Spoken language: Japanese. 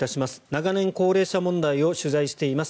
長年高齢者問題を取材しています